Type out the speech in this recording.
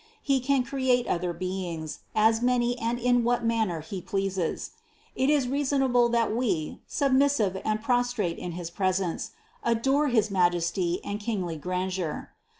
He can create other beings, as many and in what manner He pleases. It is reasonable that we, submissive and prostrate in his presence, adore his Majesty and kingly grandeur.